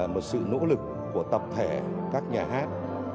một sự nỗ lực của tập thể các nhà hát